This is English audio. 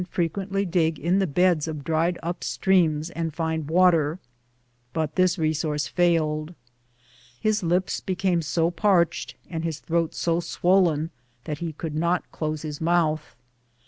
frequentlj dig in the beds of dried ap streams and find water, but this resource failed. His lips became so parched and his throat so swollen that he could not close his mouth.